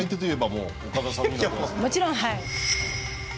もちろんはい。